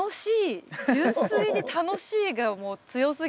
純粋に「楽しい」がもう強すぎて。